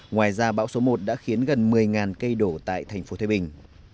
ngoài ra bão số một đã khiến gần một mươi cây đổ tại thành phố thái bình